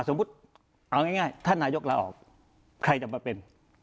สมมุติเอาง่ายท่านนายกลาออกใครจะมาเป็น